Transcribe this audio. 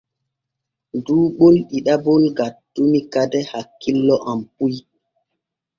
Duu ɓol ɗiɗaɓol gattumi kade hakkilo am puy.